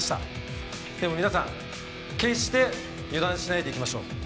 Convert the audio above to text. でも皆さん決して油断しないでいきましょう。